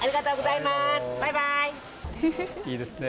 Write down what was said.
いいですね。